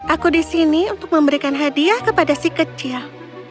aku di sini untuk memberikan hadiah kepada si kecil